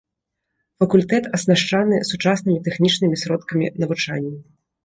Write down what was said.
Факультэт аснашчаны сучаснымі тэхнічнымі сродкамі навучання.